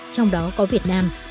trong đó có việt nam